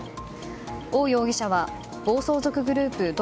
オウ容疑者は暴走族グループ怒